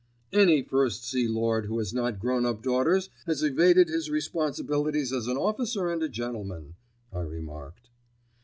"Any First Sea Lord who has not grown up daughters has evaded his responsibilities as an officer and a gentleman," I remarked.